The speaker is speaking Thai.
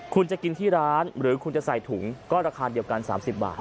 คุณจะกินที่ร้านหรือคุณจะใส่ถุงก็ราคาเดียวกัน๓๐บาท